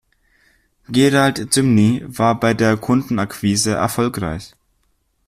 Gerald Zymny war bei der Kundenaquise erfolgreich.